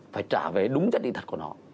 phải trả về đúng chất định thật của nó